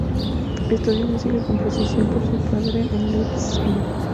Estudió música y composición con su padre, en Leipzig.